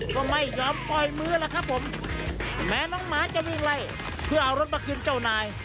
ก็ไม่ยอมปล่อยมือล่ะครับผมแม้น้องหมาจะวิ่งไล่เพื่อเอารถมาคืนเจ้านาย